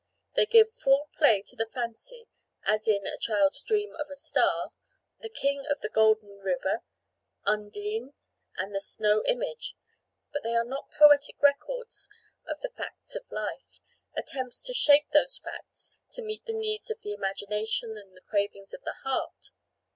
They give full play to the fancy as in "A Child's Dream of a Star," "The King of the Golden River," "Undine," and "The Snow Image"; but they are not poetic records of the facts of life, attempts to shape those facts "to meet the needs of the imagination, the cravings of the heart."